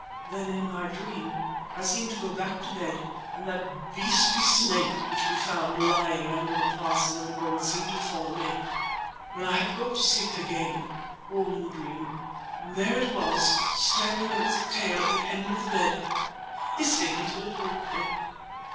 Then in my dream I seemed to go back to bed and that beastly snake which we found lying under the parcel in the road seemed to follow me. When I had got to sleep again, all in the dream, there it was standing on its tail at the end of the bed, hissing till it woke me.